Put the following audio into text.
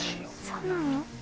そうなの？